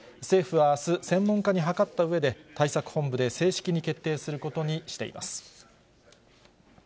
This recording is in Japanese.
政府はあす、専門家に諮ったうえで、対策本部で正式に決定することにしています。